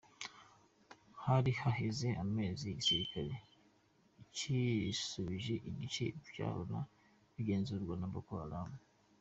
Hari haheze amezi igisirikare cisubije ibice vyahora bigenzugwa na Boko Haram.